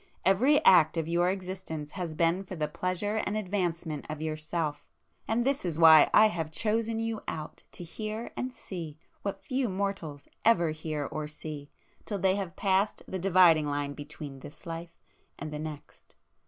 Every act of your existence has been for the pleasure and advancement of Yourself,—and this is why I have chosen you out to hear and see what few mortals ever hear or see till they have passed the dividing line between this life and the next.